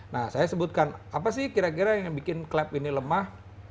nah saya sebutkan apa sih kira kira yang bikin klub ini lemah